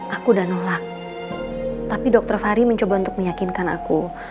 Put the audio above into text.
aku udah nolak tapi dokter fahri mencoba untuk meyakinkan aku